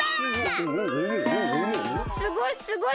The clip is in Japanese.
すごいすごい！